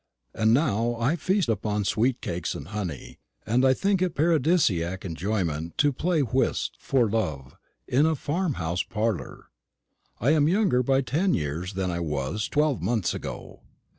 And now I feast upon sweet cakes and honey, and think it paradisiac enjoyment to play whist for love in a farm house parlour. I am younger by ten years than I was twelve months ago.